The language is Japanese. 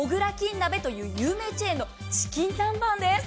なべという有名チェーンのチキン南蛮です。